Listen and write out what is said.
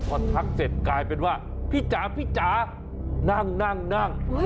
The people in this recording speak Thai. พอทักเสร็จกลายเป็นว่าพี่จ๋าพี่จ๋านั่งนั่ง